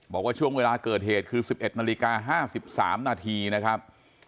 บอกว่าช่วงเวลาเกิดเหตุคือ๑๑นาฬิกา๕๓นาทีนะครับ